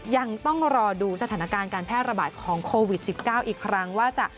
ยังต้องรอดูสถานการณ์การแพร่ระบาดของโควิด๑๙อีกครั้งว่าจะ